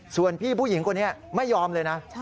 ส่วนพี่ผู้หญิงคนนี้ไม่ยอมเลยนะ